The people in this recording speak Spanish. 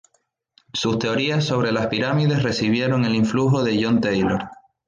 Sus teorías sobre las pirámides recibieron el influjo de John Taylor.